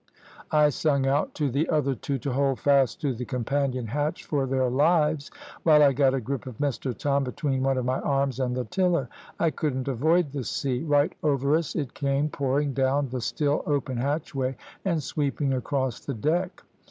I sung out to the other two to hold fast to the companion hatch for their lives, while I got a grip of Mr Tom between one of my arms and the tiller. I couldn't avoid the sea. Right over us it came, pouring down the still open hatchway, and sweeping across the deck.